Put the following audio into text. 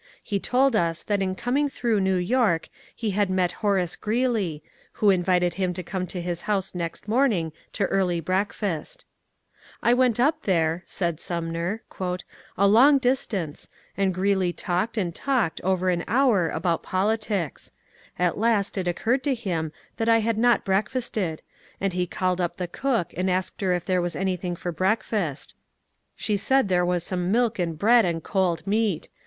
He told us that in coming through New York he had met Horace Greeley, who invited him to come to his house next morning to early breakfast. '^ I went up there," said Sumner, ^^ a long distance, and Grreeley talked and talked over an hour about politics. At last it occurred to him that I had not breakfasted, and he called up the cook, and asked her if there was anything for breakfast. She said there was some milk and bread and cold meat.